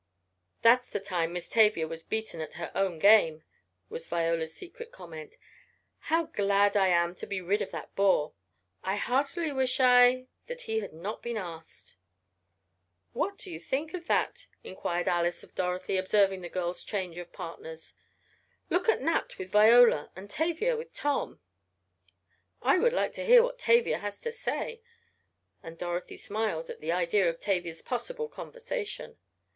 "That's the time Miss Tavia was beaten at her own game," was Viola's secret comment. "How glad I am to get rid of that bore. I heartily wish I that he had not been asked." "What do you think of that?" inquired Alice of Dorothy, observing the girl's change of partners. "Look at Nat with Viola and Tavia with Tom!" "I would like to hear what Tavia has to say," and Dorothy smiled at the idea of Tavia's possible conversation.